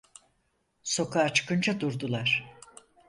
Sokağa çıkınca durdular.